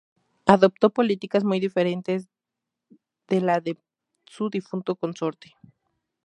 Adoptó políticas muy diferentes de las de su difunto consorte.